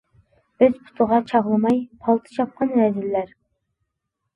ئۆز پۇتىغا چاغلىماي پالتا چاپقان رەزىللەر.